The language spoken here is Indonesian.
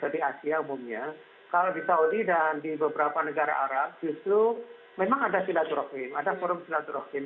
di asia umumnya kalau di saudi dan di beberapa negara arab justru memang ada silaturahim ada forum silaturahim